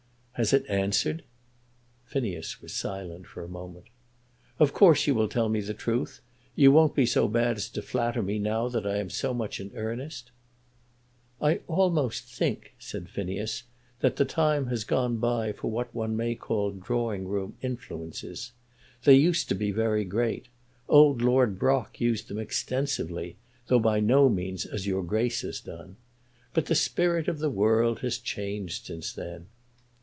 "Has it answered?" Phineas was silent for a moment. "Of course you will tell me the truth. You won't be so bad as to flatter me now that I am so much in earnest." "I almost think," said Phineas, "that the time has gone by for what one may call drawing room influences. They used to be very great. Old Lord Brock used them extensively, though by no means as your Grace has done. But the spirit of the world has changed since then."